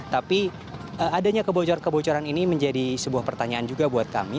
tapi adanya kebocoran kebocoran ini menjadi sebuah pertanyaan juga buat kami